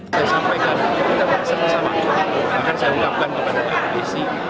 maka saya ungkapkan kepada abdesi